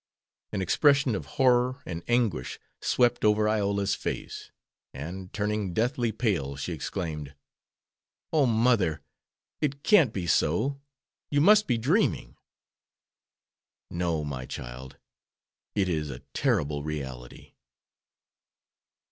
An expression of horror and anguish swept over Iola's face, and, turning deathly pale, she exclaimed, "Oh, mother, it can't be so! you must be dreaming!" "No, my child; it is a terrible reality."